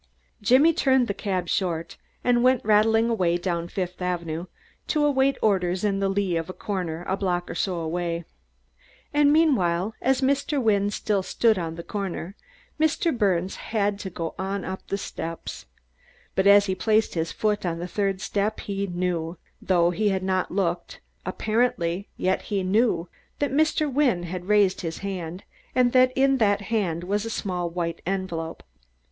Jimmy turned the cab short and went rattling away down Fifth Avenue to await orders in the lee of a corner a block or so away. And, meanwhile, as Mr. Wynne still stood on the corner, Mr. Birnes had to go on up the steps. But as he placed his foot on the third step he knew though he had not looked, apparently, yet he knew that Mr. Wynne had raised his hand, and that in that hand was a small white envelope.